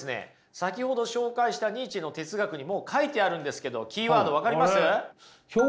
先ほど紹介したニーチェの哲学にもう書いてあるんですけどキーワード分かります？